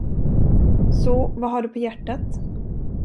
Så vad har du på hjärtat?